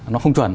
nó không chuẩn